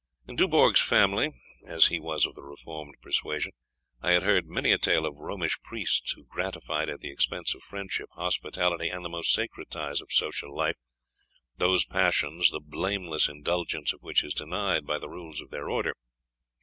In Dubourg's family (as he was of the reformed persuasion) I had heard many a tale of Romish priests who gratified, at the expense of friendship, hospitality, and the most sacred ties of social life, those passions, the blameless indulgence of which is denied by the rules of their order.